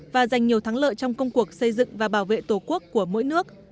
và giành nhiều thắng lợi trong công cuộc xây dựng và bảo vệ tổ quốc của mỗi nước